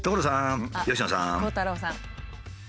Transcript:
鋼太郎さん。